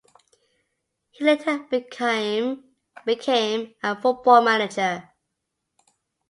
He later became a football manager.